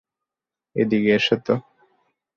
এদিকে এসো তো।